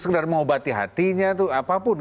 sekedar mengobati hatinya apapun